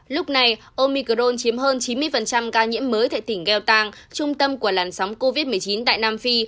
lúc này omicron chiếm hơn chín mươi ca nhiễm mới tại tỉnh gheeltang trung tâm của làn sóng covid một mươi chín tại nam phi